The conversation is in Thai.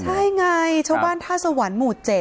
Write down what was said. ใช่ไงชาวบ้านท่าสวรรค์หมู่๗